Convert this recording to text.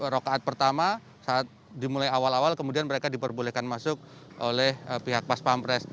rokaat pertama saat dimulai awal awal kemudian mereka diperbolehkan masuk oleh pihak pas pampres